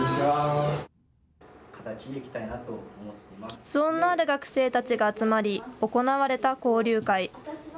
きつ音のある学生たちが集まり行われた交流会。